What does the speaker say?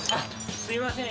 すみません。